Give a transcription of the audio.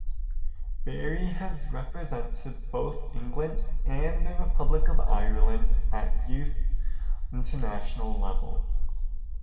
Barry has represented both England and the Republic of Ireland at youth international level.